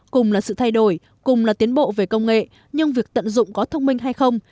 cùng là sự thay đổi cùng là tiến bộ về công nghệ nhưng việc tận dụng có thông minh hay không